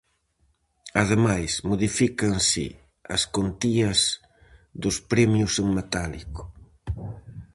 Ademais, modifícanse as contías dos premios en metálico.